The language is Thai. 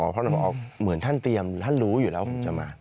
เพราะเราบอกเหมือนท่านเตรียมท่านรู้อยู่แล้วผมจะมา